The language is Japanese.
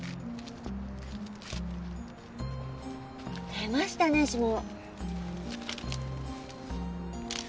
出ましたね指紋。